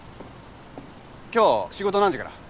今日仕事何時から？